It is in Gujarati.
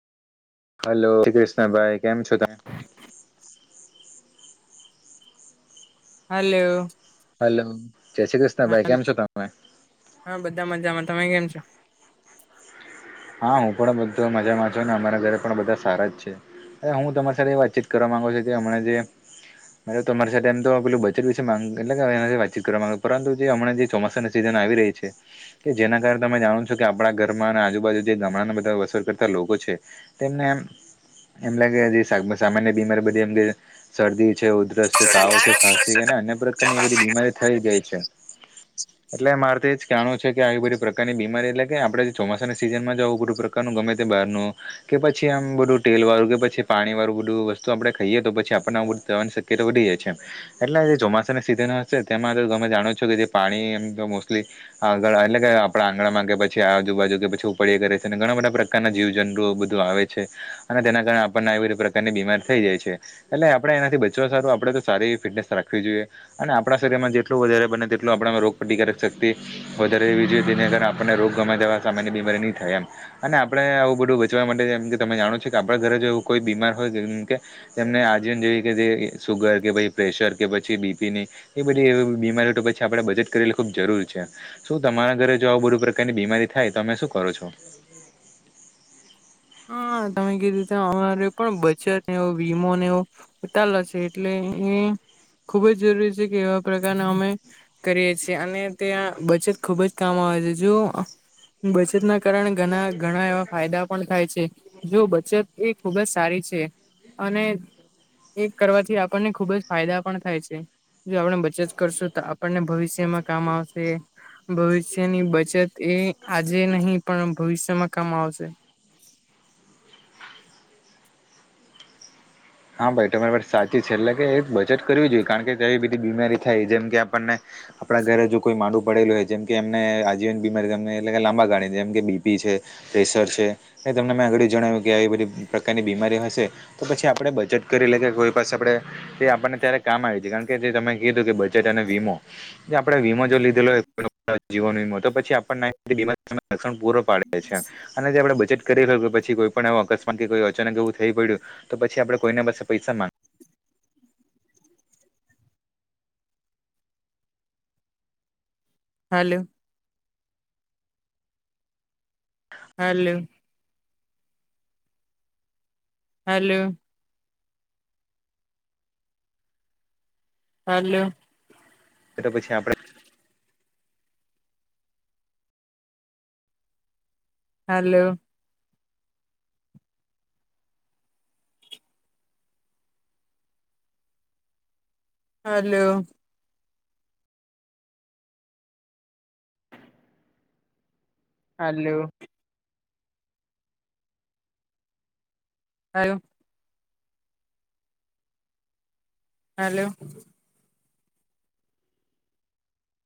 હલો, શ્રી કૃષ્ણ ભાઈ. કેમ છો તમે? હલો. હલો, જય શ્રી કૃષ્ણ ભાઈ. કેમ છો તમે? હા, બધા મજામાં. તમે કેમ છો? હા, હું પણ બધ તો મજામાં છું ને અમારા ઘરે પણ બધા સારા જ છે. અરે હું તમારી સાથે વાતચીત કરવા માંગુ છું કે હમણા જે તમારી સાથે એમ તો પેલું બજેટ વિશે માગતું કે એ વાતચીત કરવા માંગે પરંતુ જે હમણાં જે ચોમાસા સીઝન આવી રહી છે કે તો જેના કારણે તમે જાણો છો કે આપડા ઘરમાં અને આજુબાજુ જે ગામડાને બધા વસર કરતા લોકો છે તેમને એમ એમ લાગે જે સામાન્ય બીમારી બધી એમ શરદી છે ઉદ્રસ છે ખાસ કરી કરીને અન્ય પ્રકારની એ બધી બીમારી થઈ જાય છે એટલે મારે એજ કણું છે કે આવી બધી પ્રકારની બીમારી એટલે કે આપડે જે ચોમાસા ના સીઝન માં જવું બું પ્રકારનું ગમે તે બહાર નું કે પછી આમ બધું ટેલ વાળું કે પછી પાણી વાળું બધું વસ્તુ આપડે ખાઈએ તો પછી આપણને બધું થવાની શક્યતા વધી જાય છે. એટલે જે ચોમાસા ના સિઝન હશે તેમાં તમે જાણો છો કે જે પાણી એમ તો મોસ્ટલી આગળ એટલે કે આપડા આંગણા માં કે પછી આજુબાજુ કે પછી ઉ પર એ કરે છે અને ઘણા બધા પ્રકારના જીવ જંતુઓ બધું આવે છે અને તેના કારણે આપણને આવી રી તા ની બીમાર થઈ જાય છે એટલે આપડે એનાથી બચવા સારું આપડે તો સારી ફિટનેસ રાખવી જોઈએ અને આપડા શરીરમાં જેટલું વધારે બને તેટલું આપણામાં રોગ પ્રતિકારક શક્તિ વધારે એવી જ ર નને કારણ આપણને રોગ ગમા જવા સામાન્ય બીમારી નહી થાય એમ. અને આપડે આવું બધું બચવા માટે જેમ કે તમે જાણો છો કે આપડા ઘરે જોવું કોઈ બીમાર હોય જેમ કે એમને આજીવન જેવી કે સુગર કે પછી પ્રેશર કે પછી બી પી ની એ બધી એ બીમારીઓ તો પછી આપડે બચત કરેલી ખુબ જરૂર છે. શું તમારા ઘરે જો આવ બધું પ્રકારની બીમારી થાય તો અમે શું કરો છો? હા, તમે કીધું રીતે અમારે પણ બચતવો વીમો એ વો ઉતાલો છે એટલે એ ખુબ જ જરૂરી છે કે એવા પ્રકારના અમે કરીએ છીએ અને ત્યાં બચત ખુબ જ કામ આવે છે જો બચત ના કારણે ઘણા ઘણા એવા ફાયદા પણ થાય છે હે જો બચત એ ખુબ જ સારી છે અને એ કરવાથી આપણને ખુબ જ ફાયદા પણ થાય છે. જો આપણે બચત કરશું તો આપણને ભવિષ્યમાં કામ આવશે. ભવિષ્યની બચત એ આજે નહીં પણ ભવિષ્યમાં કામ આવશે. હા, ભાઈ તમારી વાત સાચી છે. એટલે કે એક બચત કરવી જોઈએ કારણ કે કેવી બધી બીમારી થાય જેમ કે આપણને આપડા ઘરે જો કોઈ માડું પડેલું હોય જેમ કે એમને આજીવન બીમારીને એટલે કે લાંબા ગાળી જેમ કે બીપી છે. પ્રેશર છે ને તમને મેં આગળી જણાવ્યું કે આવી બધી પ્રકારની બીમારી હશે તો પછી આપડે બા બચત કરી લે કે કોઈ પાસે આપડે એ આપણને ત્યારે કામ આવી જાય કારણ કે જે તમે કીધું કે બચત અને વીમો. તે આપણે વીમો જો લીધેલો [unintelligible] જીવન વીમો તો પછી આપણે લક્ષણ પૂરો પાડે. તે છે આ અને જે આપડે બચત કરી લે શું પછી કોઈ પણ આવો અકસ્માત કે કોઈ અચાનક એવું થઈ પડ્યું તો પછી આપડ કોઈને પાસે પૈસા માગ હાલો. હાલો. હાલો. હાલો. એ તો પછી આપડે હાલો. હાલો. હાલો. [unintelligible] હલો.